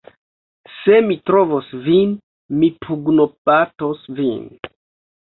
Se mi trovos vin, mi pugnobatos vin!